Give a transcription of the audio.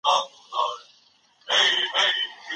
ما په ښوونځي کي بل کتاب وموند.